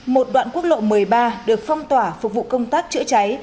một đoạn quốc lộ một mươi ba được phong tỏa phục vụ công tác chữa cháy